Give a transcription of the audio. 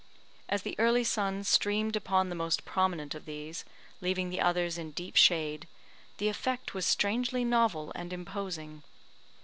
As the early sun streamed upon the most prominent of these, leaving the others in deep shade, the effect was strangely novel and imposing.